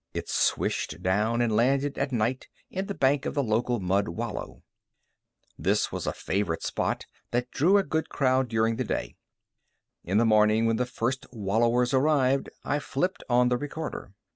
It swished down and landed at night in the bank of the local mud wallow. This was a favorite spot that drew a good crowd during the day. In the morning, when the first wallowers arrived, I flipped on the recorder.